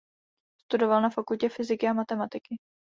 Studoval na fakultě fyziky a matematiky.